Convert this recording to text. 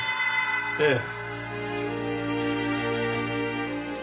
ええ。